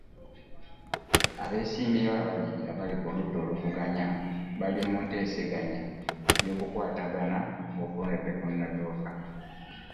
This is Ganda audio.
Abeesimbyewo ababiri abali ku ludda oluvuganya bali mu nteesaganya y'okukwatagana nga okulonda tekunatuuka.